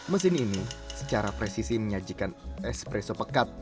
mesin ini secara presisi menyajikan espresso pekat